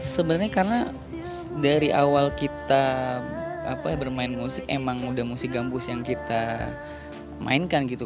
sebenarnya karena dari awal kita bermain musik emang udah musik gambus yang kita mainkan gitu